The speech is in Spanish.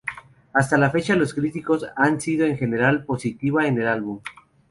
Hasta la fecha, los críticos han sido en general positiva en el álbum.